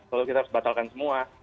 lalu kita harus batalkan semua